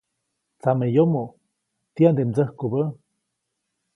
Tsameyomoʼ ¿tiyande mdsäjkubä?